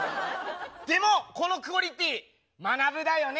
でもこのクオリティーまなぶだよね。